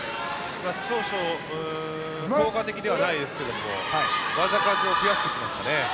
少々、効果的ではないですけども技数を増やしてきましたね。